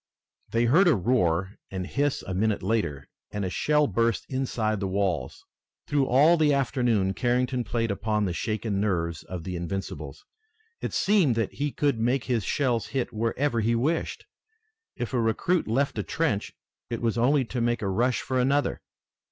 They heard a roar and hiss a minute later, and a shell burst inside the walls. Through all the afternoon Carrington played upon the shaken nerves of the Invincibles. It seemed that he could make his shells hit wherever he wished. If a recruit left a trench it was only to make a rush for another.